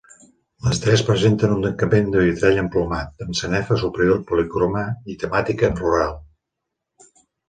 Les tres presenten un tancament de vitrall emplomat, amb sanefa superior policroma i temàtica floral.